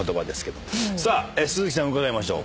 さあ鈴木さんに伺いましょう。